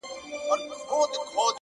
پخواني قومونه قوي اتحادونه لرل